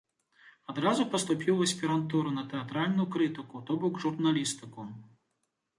Адразу паступіў у аспірантуру на тэатральную крытыку, то бок журналістыку.